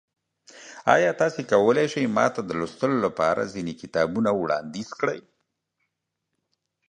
ایا تاسو کولی شئ ما ته د لوستلو لپاره ځینې کتابونه وړاندیز کړئ؟